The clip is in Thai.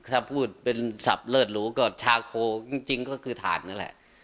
ถ้าพูดเป็นศัพท์เลือดหลูก็ชาโคจริงก็คือฐานนั่นแหละ